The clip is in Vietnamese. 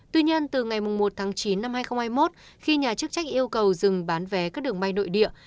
tuy nhiên từ ngày một tháng chín năm hai nghìn hai mươi một khi nhà chức trách yêu cầu dừng bán vé các đường bay nội địa